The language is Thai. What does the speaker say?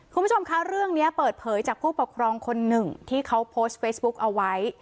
คุณผู้ชมคะเรื่องนี้เปิดเผยจากผู้ปกครองคนหนึ่งที่เขาโพสต์เฟซบุ๊กเอาไว้